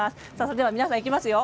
では皆さんいきますよ